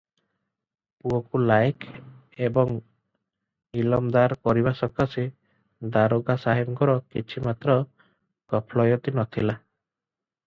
ପୁଅକୁ ଲାଏକ ଏବଂ ଇଲମଦାର କରିବା ସକାଶେ ଦାରୋଗା ସାହେବଙ୍କର କିଛିମାତ୍ର ଗଫଲୟତି ନ ଥିଲା ।